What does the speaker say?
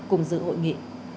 cùng dự hội nghị